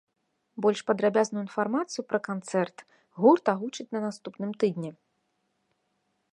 Больш падрабязную інфармацыю пра канцэрт гурт агучыць на наступным тыдні.